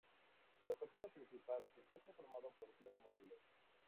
La fachada principal está conformada por tres módulos.